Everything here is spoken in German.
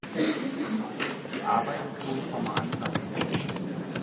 Sie arbeitet so formal unabhängig.